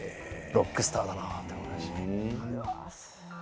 ロックスターだなって思いました。